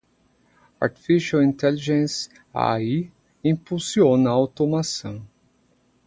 Artificial Intelligence (AI) impulsiona a automação.